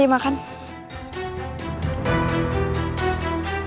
ini bukan kesalahan kalian